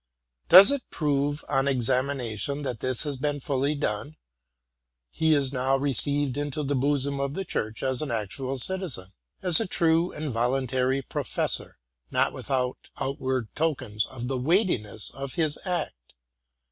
Does it prove on examination that this has been fully done, he is now received into the bosom of the church as an sora citizen, as a true and voluntary professor, not without outward tokens of the weightiness of this act.